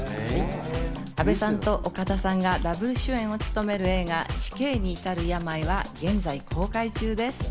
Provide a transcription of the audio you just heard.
阿部さんと岡田さんがダブル主演を務める映画『死刑にいたる病』は現在公開中です。